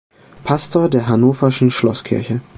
Pastor der hannoverschen Schlosskirche.